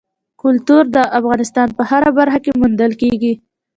کلتور د افغانستان په هره برخه کې موندل کېږي.